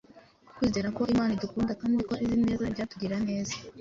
ukwizera ko Imana idukunda kandi ko izi neza ibyatugirira neza.